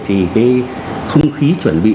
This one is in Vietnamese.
thì cái không khí chuẩn bị